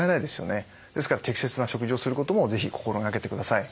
ですから適切な食事をすることも是非心掛けてください。